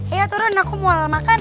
iya turun aku mau makan